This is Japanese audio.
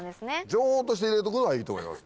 情報として入れとくのはいいと思います。